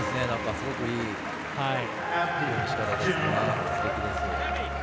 すごくいい、すてきです。